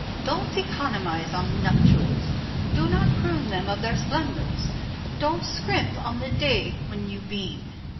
Don't economize on the nuptials, do not prune them of their splendors; don't scrimp on the day when you beam.